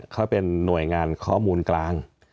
เขาเป็นหน่วยงานข้อมูลกลาง